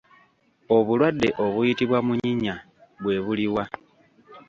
Obulwadde obuyitibwa munyinya bwe buliwa?